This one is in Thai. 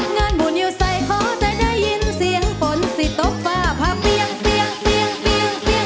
งานบุญอยู่ใส่ขอจะได้ยินเสียงฝนสิตบฟ้าพาเปียงเปียงเปียงเปียง